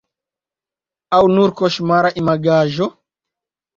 Aŭ nur koŝmara imagaĵo?